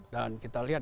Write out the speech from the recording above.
dan kita lihat